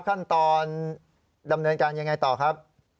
ขั้นตอนดำเนินการยังไงต่อครับ